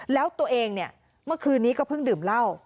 แล้วตัวเองเนี่ยเมื่อคืนนี้ก็เพิ่งดื่มเหล้า